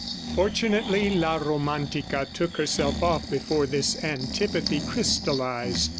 Fortunately La Romantica took herself off before this antipathy crystallized.